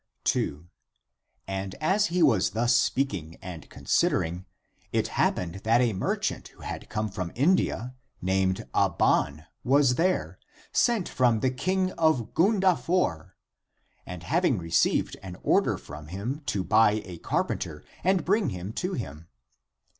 2. And as he was thus speaking and consider ing, it happened that a merchant who had come from India, named Abban, was there, sent from the King of Gundafor, and having received an order from him to buy a carpenter and bring him to him.